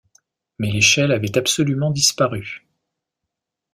Mais l’échelle avait absolument disparu